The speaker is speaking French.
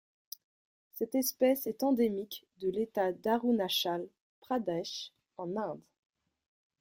Cette espèce est endémique de l'État d'Arunachal Pradesh en Inde.